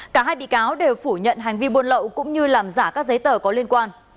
cả hai bị cáo đều phủ nhận hành vi buôn lậu cũng như làm giả các giấy tờ có liên quan